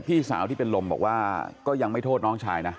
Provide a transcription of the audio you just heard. พี่สาวที่เป็นลมบอกว่าก็ยังไม่โทษน้องชายนะ